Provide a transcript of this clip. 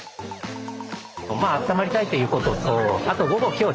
まああったまりたいということとあと午後今日